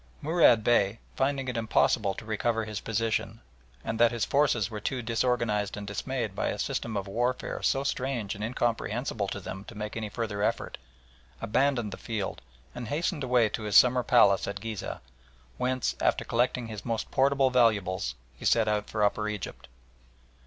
Murad Bey, finding it impossible to recover his position, and that his forces were too disorganised and dismayed by a system of warfare so strange and incomprehensible to them to make any further effort, abandoned the field and hastened away to his summer palace at Ghizeh, whence, after collecting his most portable valuables, he set out for Upper Egypt.